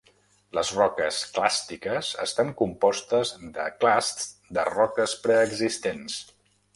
Les roques clàstiques estan compostes de clasts de roques preexistents.